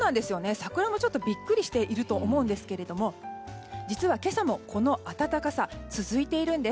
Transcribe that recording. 桜もビックリしていると思うんですけども実は今朝もこの暖かさ、続いているんです。